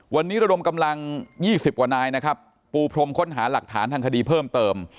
วันนี้ระดมกำลัง๒๐กว่านายนะครับปูพรมค้นหาหลักฐานทางคดีเพิ่มเติม